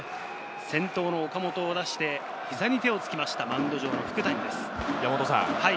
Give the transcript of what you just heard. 先頭の岡本を出して、膝に手をつきました、福谷です。